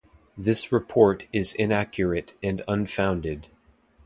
This report is inaccurate and unfounded.